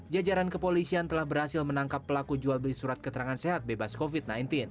jajaran kepolisian telah berhasil menangkap pelaku jual beli surat keterangan sehat bebas covid sembilan belas